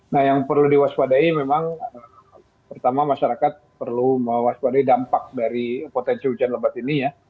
nah yang perlu diwaspadai memang pertama masyarakat perlu mewaspadai dampak dari potensi hujan lebat ini ya